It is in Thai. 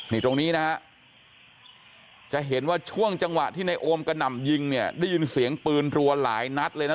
นี่ตรงนี้นะฮะจะเห็นว่าช่วงจังหวะที่ในโอมกระหน่ำยิงเนี่ยได้ยินเสียงปืนรัวหลายนัดเลยนะ